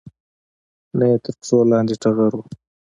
نه یې تر پښو لاندې ټغر و